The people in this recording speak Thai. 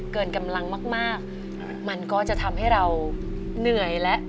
เกินกำลังมากมากมันก็จะทำให้เราเหนื่อยและ